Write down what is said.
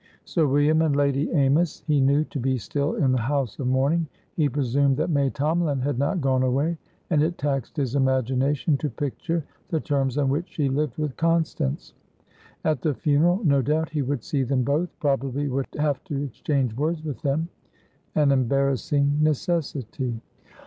Sir William and Lady Amys he knew to be still in the house of mourning; he presumed that May Tomalin had not gone away, and it taxed his imagination to picture the terms on which she lived with Constance. At the funeral, no doubt, he would see them both; probably would have to exchange words with theman embarrassing necessity.